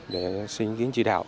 để xin kiến chỉ đạo